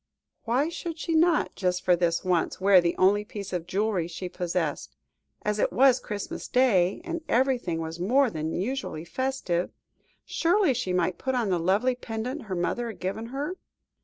Why should she not, just for this once, wear the only piece of jewellery she possessed? As it was Christmas Day, and everything was more than usually festive, surely she might put on the lovely pendant her mother had given her?